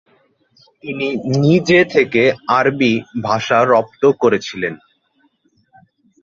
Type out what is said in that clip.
তিনি নিজে থেকে আরবি ভাষা রপ্ত করেছিলেন।